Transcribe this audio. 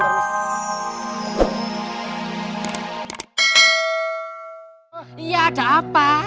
ya ada apa